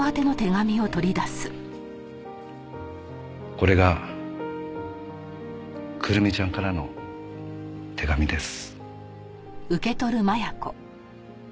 これが玖瑠美ちゃんからの手紙です。